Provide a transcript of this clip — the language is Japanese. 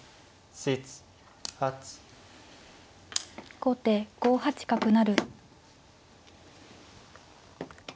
後手５八角成。